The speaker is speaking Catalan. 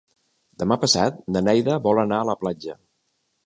Demà passat na Neida vol anar a la platja.